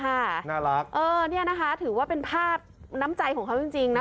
น่ารักเออเนี่ยนะคะถือว่าเป็นภาพน้ำใจของเขาจริงนะ